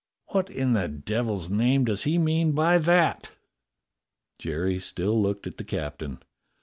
What in the devil's name does he mean by that?" Jerry still looked at the captain.